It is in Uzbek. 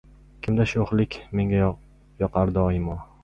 Kimda sho‘xlik menga yoqar doimo?